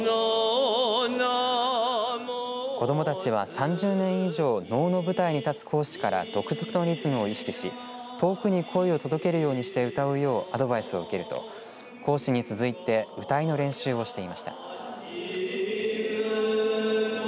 子どもたちは３０年以上能の舞台に立つ講師から独特のリズムを意識し遠くに声を届けるようにして歌うようアドバイスを受けると講師に続いて謡の練習をしていました。